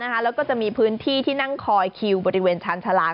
แล้วก็จะมีพื้นที่ที่นั่งคอยคิวบริเวณชาญชาลา